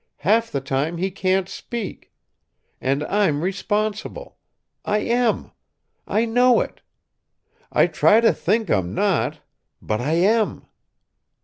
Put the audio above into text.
Half the time he can't speak! And I'm responsible. I am! I know it. I try to think I'm not. But I am!"